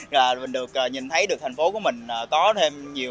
rồi mình nhìn thấy được thành phố của mình có thêm nhiều